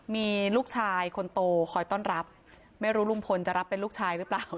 มีลูกชายคนโตคอยต้อนรับไม่รู้ลุงพลจะรับเป็นลูกชายหรือเปล่า